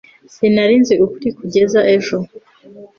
sinari nzi ukuri kugeza ejo